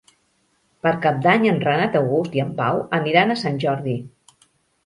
Per Cap d'Any en Renat August i en Pau aniran a Sant Jordi.